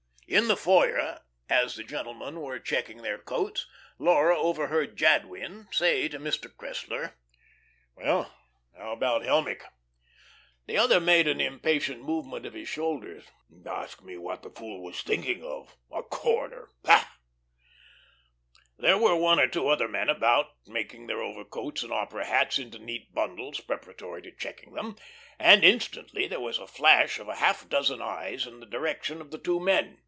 In the foyer, as the gentlemen were checking their coats, Laura overheard Jadwin say to Mr. Cressler: "Well, how about Helmick?" The other made an impatient movement of his shoulders. "Ask me, what was the fool thinking of a corner! Pshaw!" There were one or two other men about, making their overcoats and opera hats into neat bundles preparatory to checking them; and instantly there was a flash of a half dozen eyes in the direction of the two men.